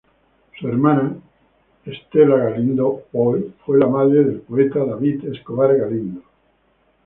Su hermana, Estella Galindo Pohl, fue la madre del poeta David Escobar Galindo.